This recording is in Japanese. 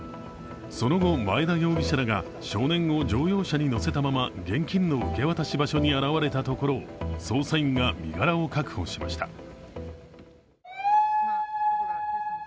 その後、前田容疑者らが少年を乗用車に乗せたまま現金の受け渡し場所に現れたところを捜査員が身柄を確保しました。